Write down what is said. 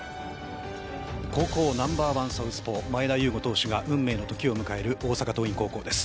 高校ナンバーワンサウスポーが運命の時を迎える、大阪桐蔭高校です。